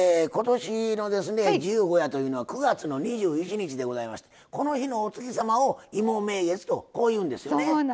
ことしの十五夜というのは９月２１日でございましてこの日のお月様を芋名月というんですよね。